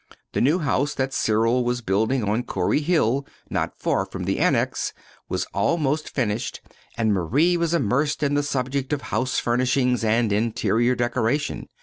The new house that Cyril was building on Corey Hill, not far from the Annex, was almost finished, and Marie was immersed in the subject of house furnishings and interior decoration.